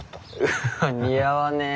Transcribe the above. うわ似合わねえ。